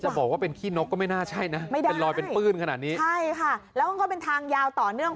บอกว่าเป็นขี้นกก็ไม่น่าใช่นะไม่ได้เป็นรอยเป็นปื้นขนาดนี้ใช่ค่ะแล้วมันก็เป็นทางยาวต่อเนื่อง